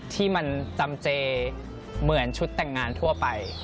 ที่มันจำเจเหมือนชุดแต่งงานทั่วไป